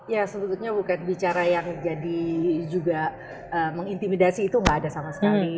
ya sebetulnya bukan bicara yang jadi juga mengintimidasi itu nggak ada sama sekali